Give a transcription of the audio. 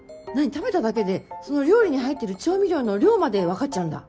食べただけでその料理に入ってる調味料の量まで分かっちゃうんだ。